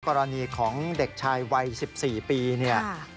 กรณีของเด็กชายวัย๑๔ปีเนี่ย